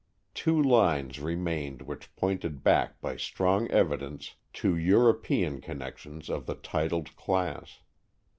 Two lines remained which pointed back by strong evidence to European connections of the titled class.